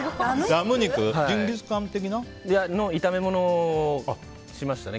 ラム肉の炒め物をしましたね